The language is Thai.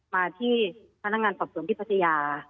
มาที่พนักงานศักดิ์สวรรค์สวมพิพัฒนา